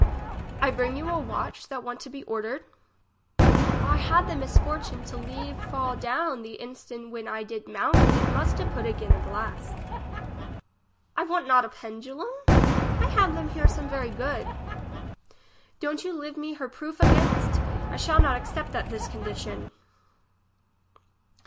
I bring you a watch that want to be ordered. I had the misfortune to leave fall down the in 36 English as she is spoke. stant where I did mounted, it must to put again a glass. I want not a pendulum? I have them here some very good. Don't you live me her proof againts ? I shall not accept that this condition.